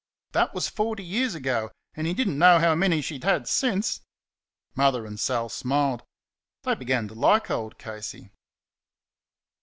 That was forty years ago, and he did n't know how many she had since. Mother and Sal smiled. They began to like old Casey.